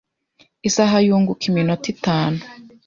Isaha yunguka iminota itanu